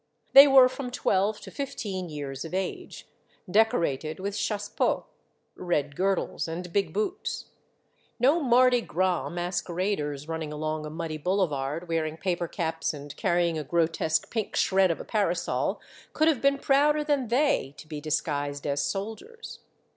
They were from twelve to fifteen years of age, decorated with chassepots, red girdles, and big boots ; no Mardi Gras masquer aders, running along a muddy boulevard, wearing paper caps and carrying a grotesque pink shred of a parasol, could have been prouder than they to be disguised as soldiers.